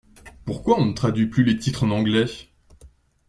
Pourquoi on ne traduit plus les titres en anglais?!